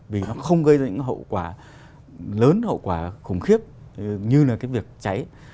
vì nó không gây ra những hậu quả lớn hậu quả khủng khiếp như là cái việc cháy